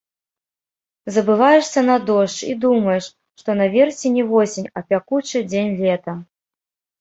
Забываешся на дождж і думаеш, што наверсе не восень, а пякучы дзень лета.